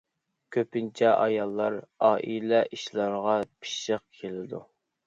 كۆپىنچە ئاياللار ئائىلە ئىشلىرىغا پىششىق كېلىدۇ.